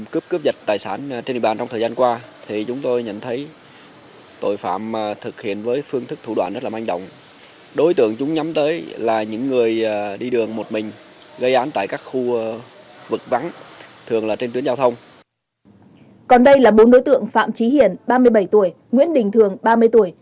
còn đây là bốn đối tượng phạm trí hiển ba mươi bảy tuổi nguyễn đình thường ba mươi tuổi